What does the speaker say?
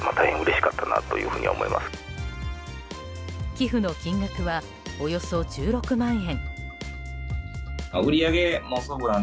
寄付の金額はおよそ１６万円。